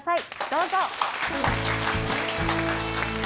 どうぞ。